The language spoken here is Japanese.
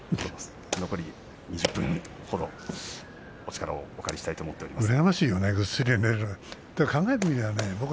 残り２０分ほどお力をお借りしたいと思います。